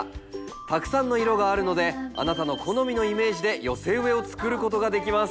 たくさんの色があるのであなたの好みのイメージで寄せ植えを作ることができます。